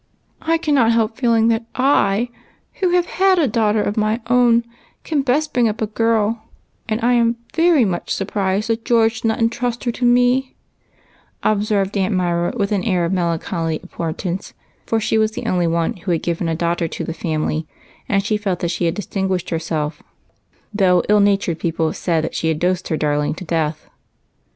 "I cannot help feeling that Z, who have had a daughter of my own, can best bring up a girl ; and I am very much surprised that George did not intrust her to me," observed Aunt Myra, with an air of mel ancholy importance, for she was the only one who had given a daughter to the family, and she felt that she had distinguished herself, though ill natured people said that she had dosed her darling to death.